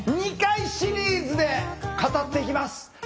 ２回シリーズで語っていきます。